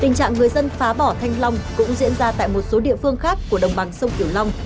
tình trạng người dân phá bỏ thanh long cũng diễn ra tại một số địa phương khác của đồng bằng sông kiểu long